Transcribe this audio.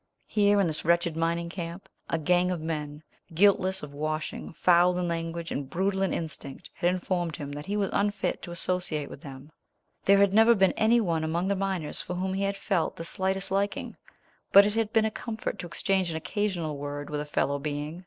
Here, in this wretched mining camp, a gang of men, guiltless of washing, foul in language, and brutal in instinct, had informed him that he was unfit to associate with them. There had never been any one among the miners for whom he had felt the slightest liking; but it had been a comfort to exchange an occasional word with a fellow being.